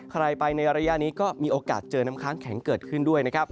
ใครไปในระยะนี้ก็มีโอกาสเจอน้ำค้างแข็งเกิดขึ้นด้วยนะครับ